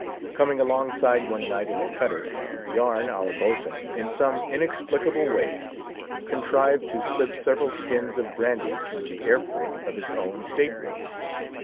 Coming alongside one night in a cutter, Yarn, our boatswain, in some inexplicable way, contrived to slip several skins of brandy through the air port of his own state room.